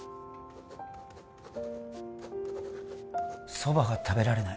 「蕎麦が食べられない」